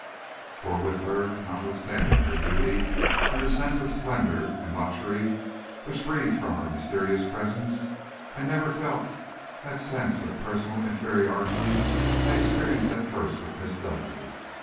"For with her, notwithstanding her beauty, and the sense of splendor and luxury which breathed from her mysterious presence, I never felt that sense of personal inferiority I experienced at first with Miss Dudleigh.